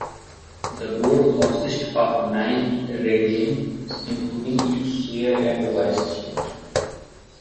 The Board consists of nine regents including its chair and vice chair.